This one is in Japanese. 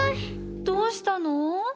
どうしたの？